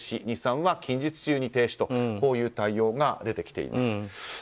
日産は近日中に停止という対応が出てきています。